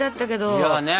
いやねえ。